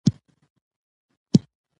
موږ باید له دې نعمتونو ګټه پورته کړو.